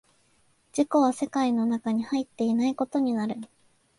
自己は世界の中に入っていないことになる。